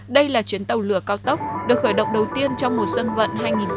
đây là chuyến tàu lửa cao tốc được khởi động đầu tiên trong mùa xuân vận hai nghìn hai mươi